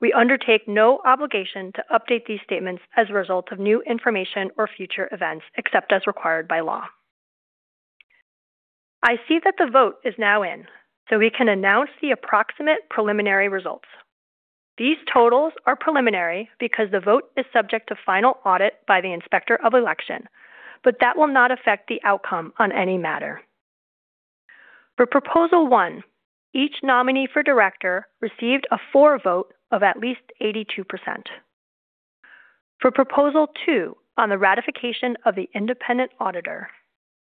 We undertake no obligation to update these statements as a result of new information or future events, except as required by law. I see that the vote is now in, so we can announce the approximate preliminary results. These totals are preliminary because the vote is subject to final audit by the Inspector of Election, but that will not affect the outcome on any matter. For Proposal 1, each nominee for director received a for vote of at least 82%. For Proposal 2 on the ratification of the independent auditor,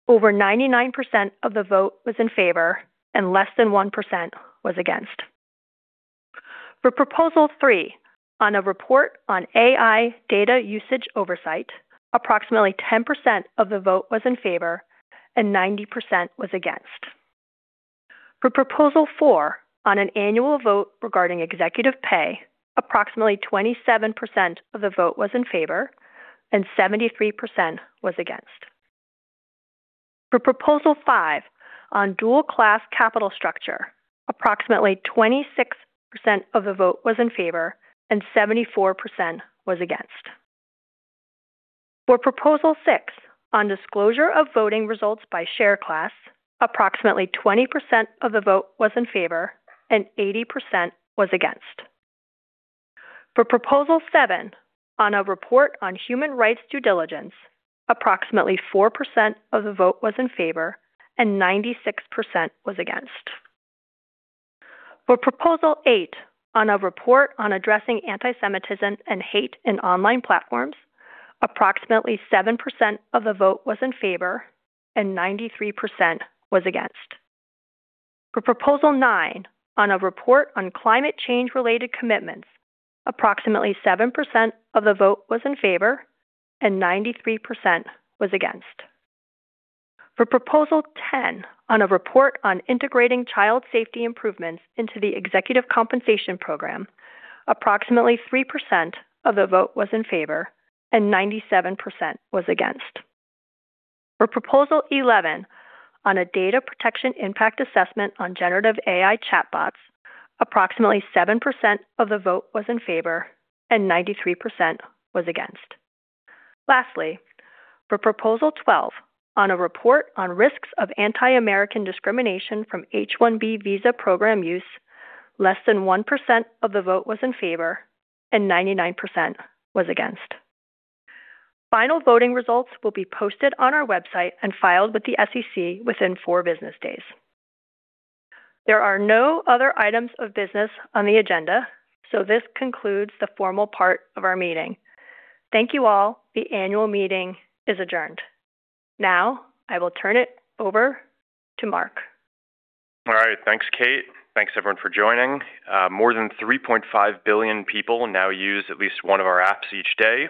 over 99% of the vote was in favor and less than 1% was against. For Proposal 3, on a report on AI data usage oversight, approximately 10% of the vote was in favor and 90% was against. For Proposal 4, on an annual vote regarding executive pay, approximately 27% of the vote was in favor and 73% was against. For Proposal 5, on dual class capital structure, approximately 26% of the vote was in favor and 74% was against. For Proposal 6, on disclosure of voting results by share class, approximately 20% of the vote was in favor and 80% was against. For Proposal 7, on a report on human rights due diligence, approximately 4% of the vote was in favor and 96% was against. For Proposal 8, on a report on addressing antisemitism and hate in online platforms, approximately 7% of the vote was in favor and 93% was against. For Proposal 9, on a report on climate change-related commitments, approximately 7% of the vote was in favor and 93% was against. For Proposal 10, on a report on integrating child safety improvements into the executive compensation program, approximately 3% of the vote was in favor and 97% was against. For Proposal 11, on a data protection impact assessment on generative AI chatbots, approximately 7% of the vote was in favor and 93% was against. Lastly, for Proposal 12 on a report on risks of anti-American discrimination from H-1B visa program use, less than 1% of the vote was in favor and 99% was against. Final voting results will be posted on our website and filed with the SEC within four business days. There are no other items of business on the agenda, so this concludes the formal part of our meeting. Thank you all. The annual meeting is adjourned. Now, I will turn it over to Mark. All right. Thanks, Kate. Thanks everyone for joining. More than 3.5 billion people now use at least one of our apps each day.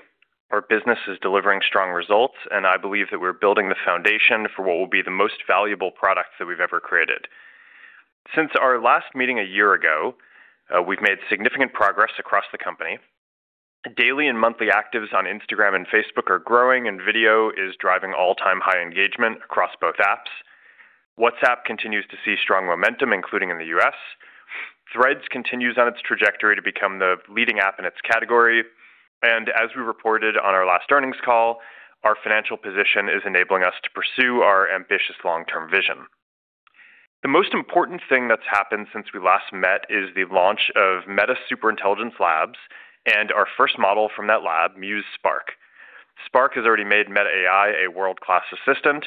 Our business is delivering strong results, and I believe that we're building the foundation for what will be the most valuable products that we've ever created. Since our last meeting a year ago, we've made significant progress across the company. Daily and monthly actives on Instagram and Facebook are growing, and video is driving all-time high engagement across both apps. WhatsApp continues to see strong momentum, including in the U.S. Threads continues on its trajectory to become the leading app in its category. As we reported on our last earnings call, our financial position is enabling us to pursue our ambitious long-term vision. The most important thing that's happened since we last met is the launch of Meta Superintelligence Labs and our first model from that lab, Muse Spark. Spark has already made Meta AI a world-class assistant.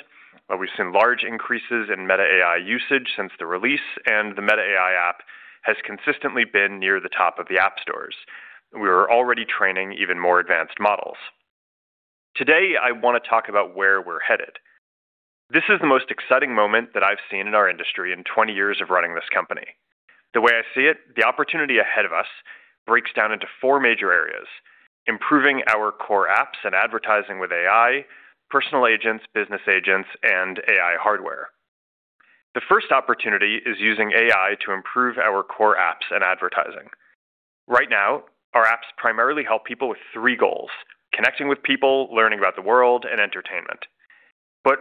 We've seen large increases in Meta AI usage since the release, and the Meta AI app has consistently been near the top of the app stores. We are already training even more advanced models. Today, I want to talk about where we're headed. This is the most exciting moment that I've seen in our industry in 20 years of running this company. The way I see it, the opportunity ahead of us breaks down into four major areas: improving our core apps and advertising with AI, personal agents, business agents, and AI hardware. The first opportunity is using AI to improve our core apps and advertising. Right now, our apps primarily help people with three goals: connecting with people, learning about the world, and entertainment.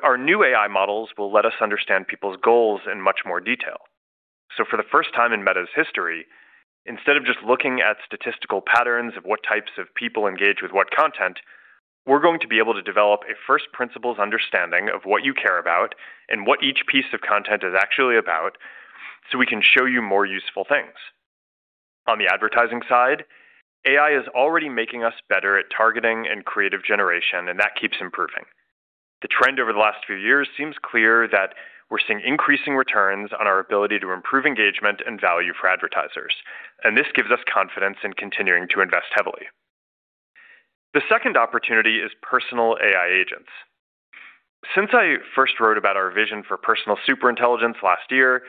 Our new AI models will let us understand people's goals in much more detail. For the first time in Meta's history, instead of just looking at statistical patterns of what types of people engage with what content, we're going to be able to develop a first principles understanding of what you care about and what each piece of content is actually about so we can show you more useful things. On the advertising side, AI is already making us better at targeting and creative generation, and that keeps improving. The trend over the last few years seems clear that we're seeing increasing returns on our ability to improve engagement and value for advertisers. This gives us confidence in continuing to invest heavily. The second opportunity is personal AI agents. Since I first wrote about our vision for personal superintelligence last year,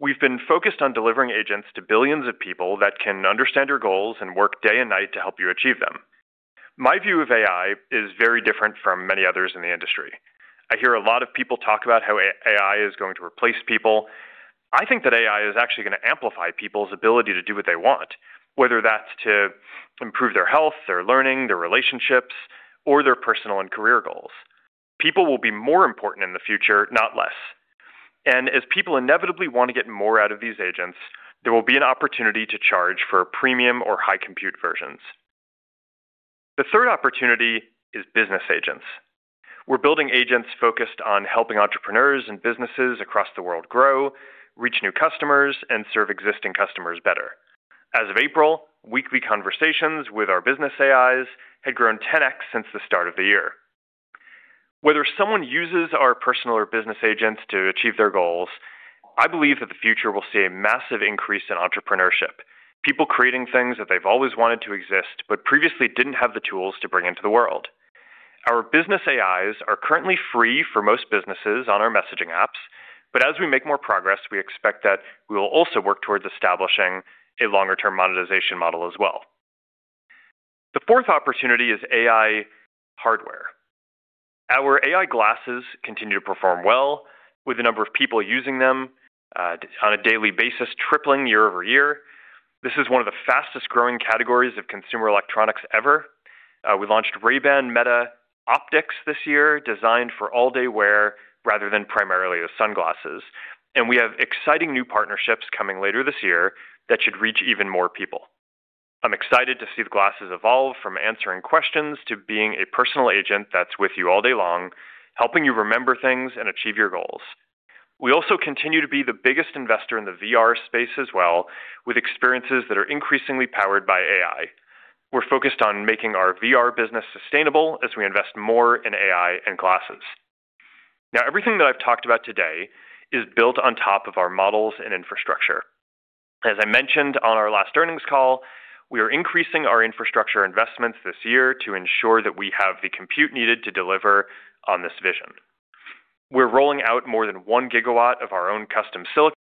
we've been focused on delivering agents to billions of people that can understand your goals and work day and night to help you achieve them. My view of AI is very different from many others in the industry. I hear a lot of people talk about how AI is going to replace people. I think that AI is actually going to amplify people's ability to do what they want, whether that's to improve their health, their learning, their relationships, or their personal and career goals. People will be more important in the future, not less. As people inevitably want to get more out of these agents, there will be an opportunity to charge for premium or high compute versions. The third opportunity is business agents. We're building agents focused on helping entrepreneurs and businesses across the world grow, reach new customers, and serve existing customers better. As of April, weekly conversations with our business AIs had grown 10x since the start of the year. Whether someone uses our personal or business agents to achieve their goals, I believe that the future will see a massive increase in entrepreneurship, people creating things that they've always wanted to exist but previously didn't have the tools to bring into the world. Our business AIs are currently free for most businesses on our messaging apps, but as we make more progress, we expect that we will also work towards establishing a longer-term monetization model as well. The fourth opportunity is AI hardware. Our AI glasses continue to perform well with the number of people using them on a daily basis tripling year-over-year. This is one of the fastest-growing categories of consumer electronics ever. We launched Ray-Ban Meta Optics this year, designed for all-day wear rather than primarily as sunglasses. We have exciting new partnerships coming later this year that should reach even more people. I'm excited to see the glasses evolve from answering questions to being a personal agent that's with you all day long, helping you remember things and achieve your goals. We also continue to be the biggest investor in the VR space as well, with experiences that are increasingly powered by AI. We're focused on making our VR business sustainable as we invest more in AI and glasses. Now, everything that I've talked about today is built on top of our models and infrastructure. As I mentioned on our last earnings call, we are increasing our infrastructure investments this year to ensure that we have the compute needed to deliver on this vision. We're rolling out more than 1 GW of our own custom silicon.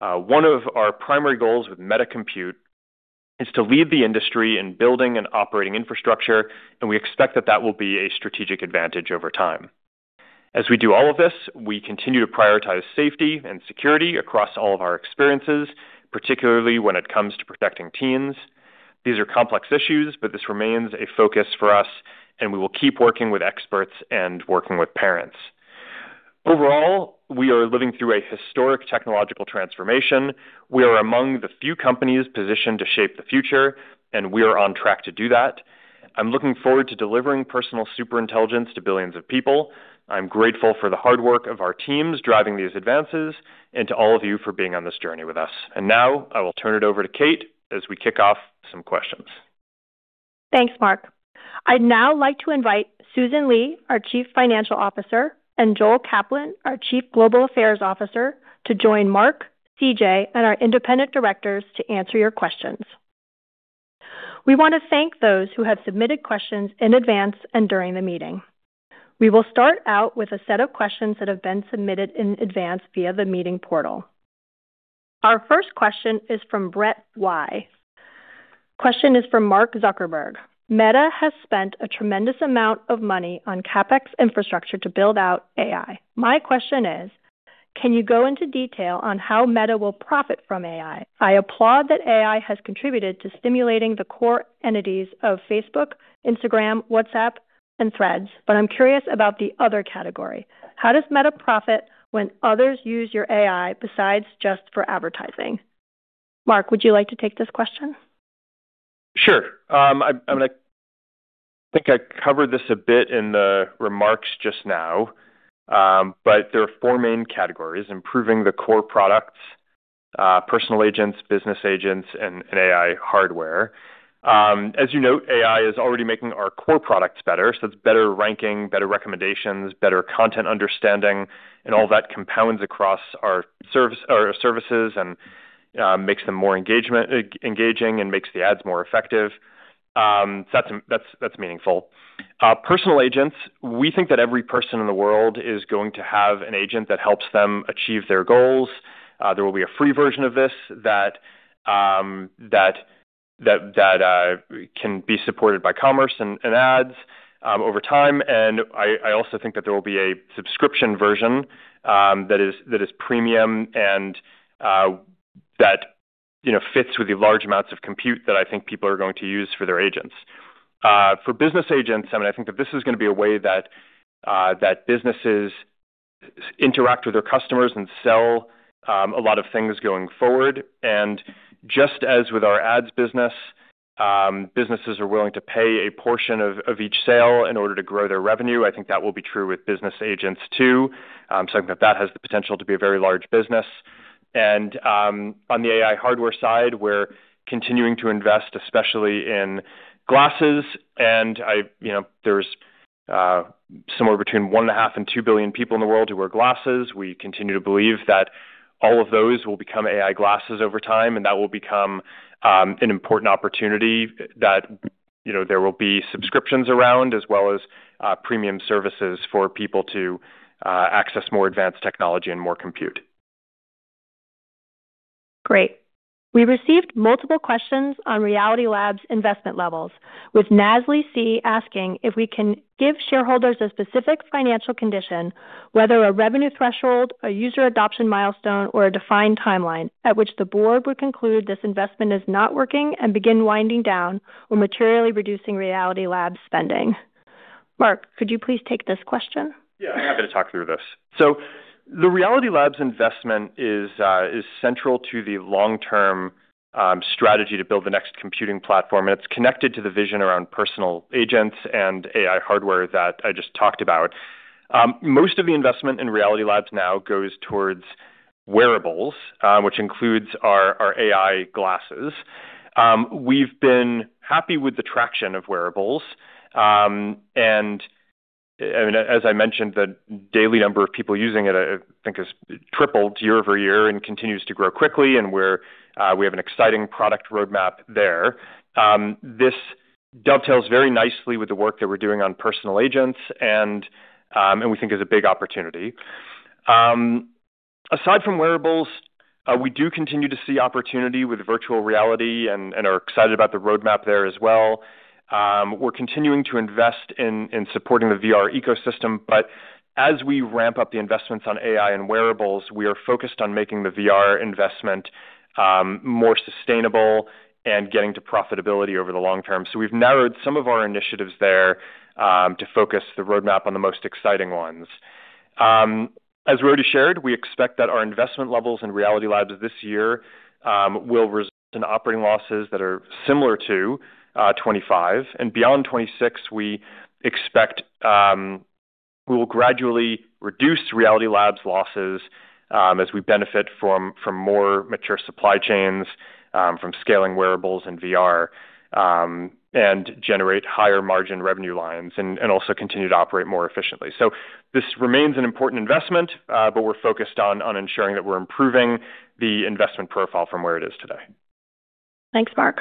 One of our primary goals with Meta Compute is to lead the industry in building and operating infrastructure, and we expect that that will be a strategic advantage over time. As we do all of this, we continue to prioritize safety and security across all of our experiences, particularly when it comes to protecting teens. These are complex issues, but this remains a focus for us, and we will keep working with experts and working with parents. Overall, we are living through a historic technological transformation. We are among the few companies positioned to shape the future, and we are on track to do that. I'm looking forward to delivering personal superintelligence to billions of people. I'm grateful for the hard work of our teams driving these advances and to all of you for being on this journey with us. Now I will turn it over to Kate as we kick off some questions. Thanks, Mark. I’d now like to invite Susan Li, our Chief Financial Officer, and Joel Kaplan, our Chief Global Affairs Officer, to join Mark, C.J., and our independent directors to answer your questions. We want to thank those who have submitted questions in advance and during the meeting. We will start out with a set of questions that have been submitted in advance via the meeting portal. Our first question is from Brett Y. Question is for Mark Zuckerberg. Meta has spent a tremendous amount of money on CapEx infrastructure to build out AI. My question is, can you go into detail on how Meta will profit from AI? I applaud that AI has contributed to stimulating the core entities of Facebook, Instagram, WhatsApp, and Threads, but I’m curious about the other category. How does Meta profit when others use your AI besides just for advertising? Mark, would you like to take this question? Sure. I think I covered this a bit in the remarks just now. There are four main categories: improving the core products, personal agents, business agents, and AI hardware. As you note, AI is already making our core products better, so it's better ranking, better recommendations, better content understanding, and all that compounds across our services and makes them more engaging and makes the ads more effective. That's meaningful. Personal agents, we think that every person in the world is going to have an agent that helps them achieve their goals. There will be a free version of this that can be supported by commerce and ads over time. I also think that there will be a subscription version that is premium and that fits with the large amounts of compute that I think people are going to use for their agents. For business agents, I think that this is going to be a way that businesses interact with their customers and sell a lot of things going forward. Just as with our ads business, businesses are willing to pay a portion of each sale in order to grow their revenue. I think that will be true with business agents, too. I think that that has the potential to be a very large business. On the AI hardware side, we're continuing to invest, especially in glasses. There's somewhere between one and a half and 2 billion people in the world who wear glasses. We continue to believe that all of those will become AI glasses over time, and that will become an important opportunity that there will be subscriptions around, as well as premium services for people to access more advanced technology and more compute. Great. We received multiple questions on Reality Labs investment levels, with Nazley C. asking if we can give shareholders a specific financial condition, whether a revenue threshold, a user adoption milestone, or a defined timeline at which the Board would conclude this investment is not working and begin winding down or materially reducing Reality Labs spending. Mark, could you please take this question? Happy to talk through this. The Reality Labs investment is central to the long-term strategy to build the next computing platform, and it's connected to the vision around personal agents and AI hardware that I just talked about. Most of the investment in Reality Labs now goes towards wearables, which includes our AI glasses. We've been happy with the traction of wearables. As I mentioned, the daily number of people using it, I think, has tripled year-over-year and continues to grow quickly, and we have an exciting product roadmap there. This dovetails very nicely with the work that we're doing on personal agents and we think is a big opportunity. Aside from wearables, we do continue to see opportunity with virtual reality and are excited about the roadmap there as well. We're continuing to invest in supporting the VR ecosystem, but as we ramp up the investments on AI and wearables, we are focused on making the VR investment more sustainable and getting to profitability over the long term. We've narrowed some of our initiatives there to focus the roadmap on the most exciting ones. As Rody shared, we expect that our investment levels in Reality Labs this year will result in operating losses that are similar to 2025. Beyond 2026, we expect we will gradually reduce Reality Labs losses as we benefit from more mature supply chains, from scaling wearables and VR, and generate higher margin revenue lines, and also continue to operate more efficiently. This remains an important investment, but we're focused on ensuring that we're improving the investment profile from where it is today. Thanks, Mark.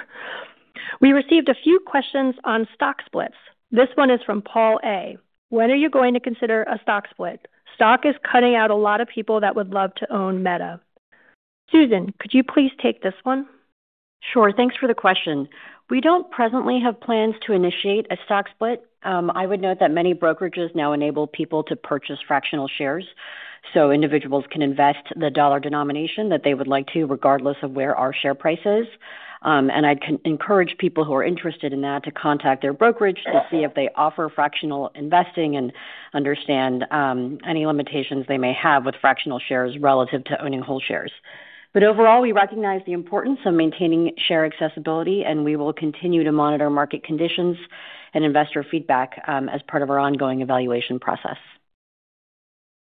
We received a few questions on stock splits. This one is from Paul A. When are you going to consider a stock split? Stock is cutting out a lot of people that would love to own Meta. Susan, could you please take this one? Sure. Thanks for the question. We don't presently have plans to initiate a stock split. I would note that many brokerages now enable people to purchase fractional shares, so individuals can invest the dollar denomination that they would like to, regardless of where our share price is. I'd encourage people who are interested in that to contact their brokerage to see if they offer fractional investing and understand any limitations they may have with fractional shares relative to owning whole shares. Overall, we recognize the importance of maintaining share accessibility, and we will continue to monitor market conditions and investor feedback as part of our ongoing evaluation process.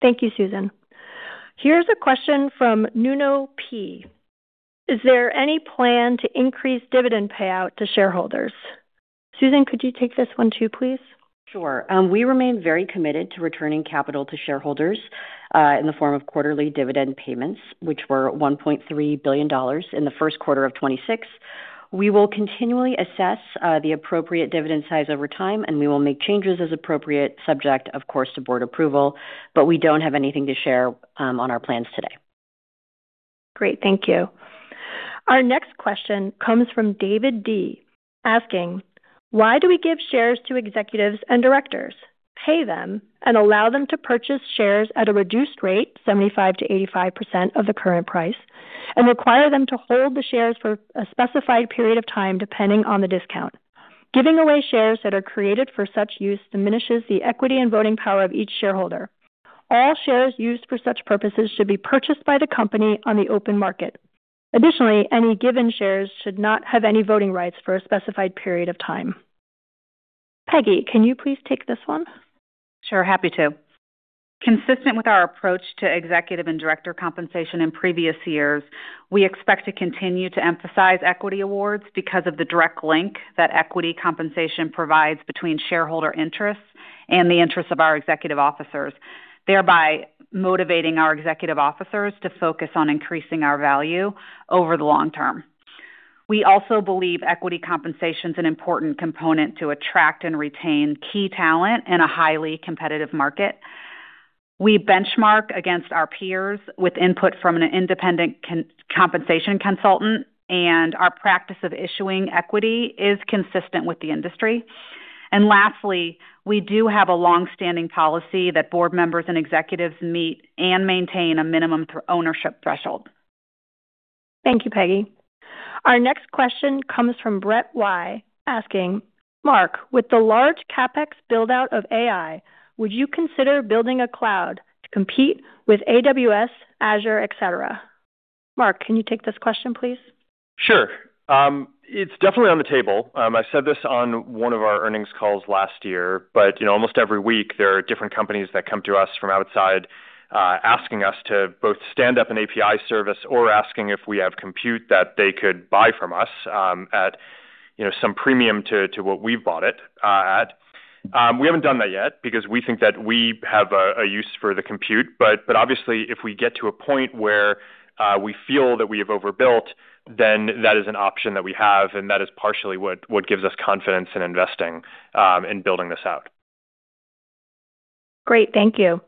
Thank you, Susan. Here's a question from Nuno P., "Is there any plan to increase dividend payout to shareholders?" Susan, could you take this one too, please? Sure. We remain very committed to returning capital to shareholders in the form of quarterly dividend payments, which were $1.3 billion in the first quarter of 2026. We will continually assess the appropriate dividend size over time, and we will make changes as appropriate, subject, of course, to Board approval. We don't have anything to share on our plans today. Great. Thank you. Our next question comes from David D. asking: Why do we give shares to executives and directors, pay them, and allow them to purchase shares at a reduced rate, 75%-85% of the current price, and require them to hold the shares for a specified period of time, depending on the discount? Giving away shares that are created for such use diminishes the equity and voting power of each shareholder. All shares used for such purposes should be purchased by the company on the open market. Additionally, any given shares should not have any voting rights for a specified period of time. Peggy, can you please take this one? Sure. Happy to. Consistent with our approach to executive and director compensation in previous years, we expect to continue to emphasize equity awards because of the direct link that equity compensation provides between shareholder interests and the interests of our executive officers, thereby motivating our executive officers to focus on increasing our value over the long term. We also believe equity compensation is an important component to attract and retain key talent in a highly competitive market. We benchmark against our peers with input from an independent compensation consultant. Our practice of issuing equity is consistent with the industry. Lastly, we do have a longstanding policy that Board members and executives meet and maintain a minimum ownership threshold. Thank you, Peggy. Our next question comes from Brett Y. asking, "Mark, with the large CapEx build-out of AI, would you consider building a cloud to compete with AWS, Azure, et cetera?" Mark, can you take this question please? Sure. It's definitely on the table. I said this on one of our earnings calls last year, but almost every week there are different companies that come to us from outside, asking us to both stand up an API service or asking if we have compute that they could buy from us, at some premium to what we bought it at. We haven't done that yet because we think that we have a use for the compute, but obviously if we get to a point where we feel that we have overbuilt, then that is an option that we have, and that is partially what gives us confidence in investing in building this out. Great. Thank you.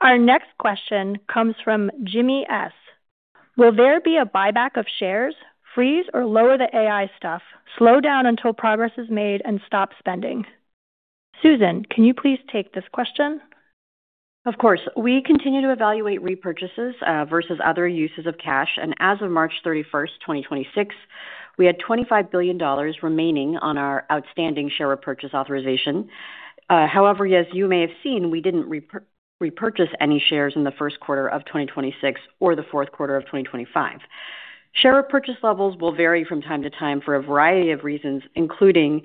Our next question comes from Jimmy S. "Will there be a buyback of shares? Freeze or lower the AI stuff. Slow down until progress is made and stop spending." Susan, can you please take this question? Of course. We continue to evaluate repurchases versus other uses of cash, and as of March 31st, 2026, we had $25 billion remaining on our outstanding share repurchase authorization. However, as you may have seen, we didn't repurchase any shares in the first quarter of 2026 or the fourth quarter of 2025. Share repurchase levels will vary from time to time for a variety of reasons, including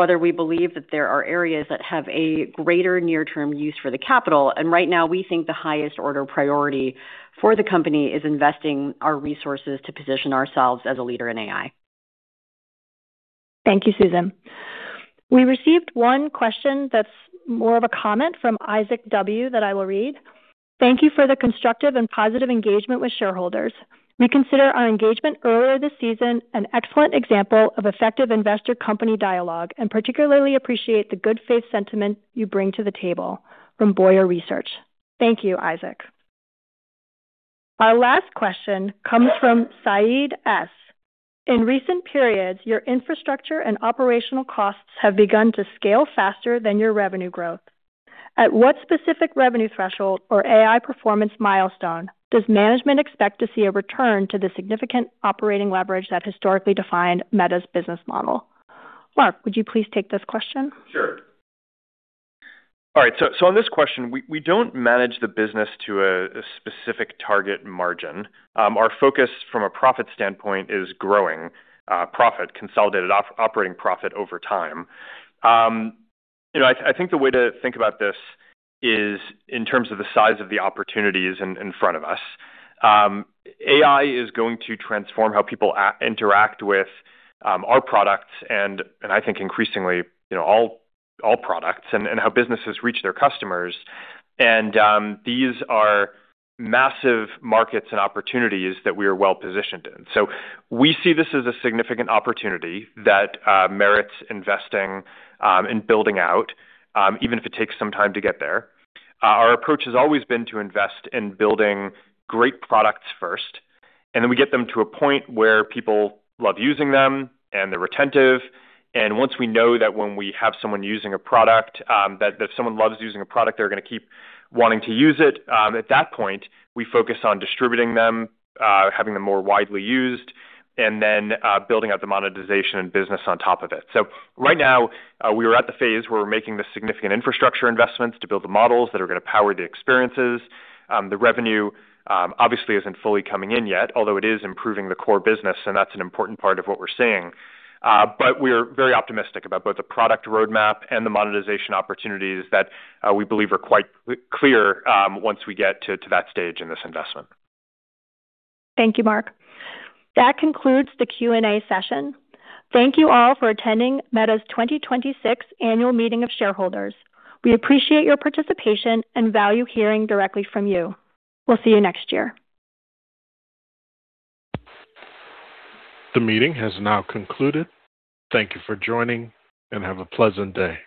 whether we believe that there are areas that have a greater near-term use for the capital, and right now we think the highest order priority for the company is investing our resources to position ourselves as a leader in AI. Thank you, Susan. We received one question that's more of a comment from Isaac W. that I will read. "Thank you for the constructive and positive engagement with shareholders. We consider our engagement earlier this season an excellent example of effective investor-company dialogue and particularly appreciate the good faith sentiment you bring to the table. From Boyar Research." Thank you, Isaac. Our last question comes from Saeed S. "In recent periods, your infrastructure and operational costs have begun to scale faster than your revenue growth. At what specific revenue threshold or AI performance milestone does management expect to see a return to the significant operating leverage that historically defined Meta's business model?" Mark, would you please take this question? Sure. All right. On this question, we don't manage the business to a specific target margin. Our focus from a profit standpoint is growing profit, consolidated operating profit over time. I think the way to think about this is in terms of the size of the opportunities in front of us. AI is going to transform how people interact with our products and I think increasingly all products and how businesses reach their customers and these are massive markets and opportunities that we are well-positioned in. We see this as a significant opportunity that merits investing in building out, even if it takes some time to get there. Our approach has always been to invest in building great products first, and then we get them to a point where people love using them and they're retentive. Once we know that when we have someone using a product, that if someone loves using a product, they're going to keep wanting to use it. At that point, we focus on distributing them, having them more widely used, and then building out the monetization and business on top of it. Right now, we are at the phase where we're making the significant infrastructure investments to build the models that are going to power the experiences. The revenue obviously isn't fully coming in yet, although it is improving the core business, and that's an important part of what we're seeing. We're very optimistic about both the product roadmap and the monetization opportunities that we believe are quite clear once we get to that stage in this investment. Thank you, Mark. That concludes the Q&A session. Thank you all for attending Meta's 2026 Annual Meeting of Shareholders. We appreciate your participation and value hearing directly from you. We'll see you next year. The meeting has now concluded. Thank you for joining, and have a pleasant day.